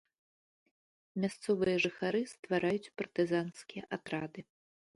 Мясцовыя жыхары ствараюць партызанскія атрады.